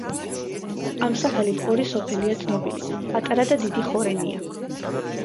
ამ სახელით ორი სოფელია ცნობილი: პატარა და დიდი ხორენია.